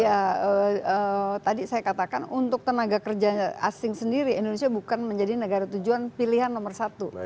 ya tadi saya katakan untuk tenaga kerja asing sendiri indonesia bukan menjadi negara tujuan pilihan nomor satu